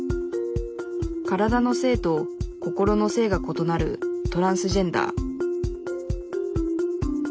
体の性と心の性がことなるトランスジェンダー。